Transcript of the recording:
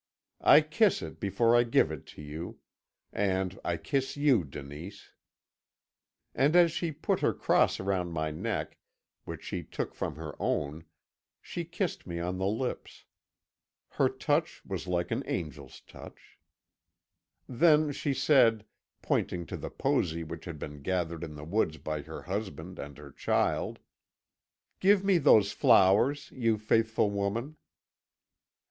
I kiss it before I give it to you and I kiss you, Denise!' "And as she put the cross round my neck, which she took from her own, she kissed me on the lips. Her touch was like an angel's touch. "Then she said, pointing to the posy which had been gathered in the woods by her husband and her child: "'Give me those flowers, you faithful woman.'